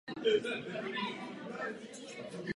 To zemi zajistilo poslední éru relativní nezávislosti.